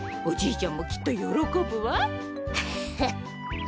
おじいちゃんもきっとよろこぶわ。